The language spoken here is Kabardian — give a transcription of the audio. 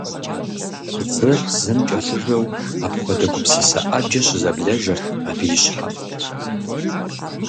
Зыр зым кӏэлъыжэу апхуэдэ гупсысэ ӏэджэ щызэблэжырт абы и щхьэм.